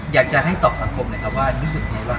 อยากจะให้ตอบสังคมนะครับว่ารู้สึกไงบ้าง